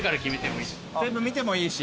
全部見てもいいし。